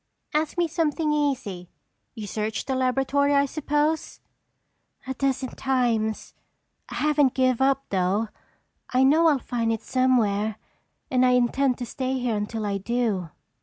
"Ask me something easy. You searched the laboratory I suppose?" "A dozen times. I haven't given up though. I know I'll find it somewhere and I intend to stay here until I do."